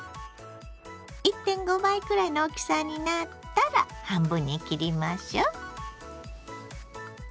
１．５倍くらいの大きさになったら半分に切りましょう。